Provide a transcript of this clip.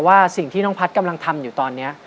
ว่าสิ่งที่น้องพัฒน์กำลังทำอยู่ตอนนี้